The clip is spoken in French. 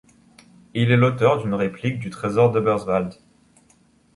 Il est l'auteur d'une réplique du trésor d'Eberswalde.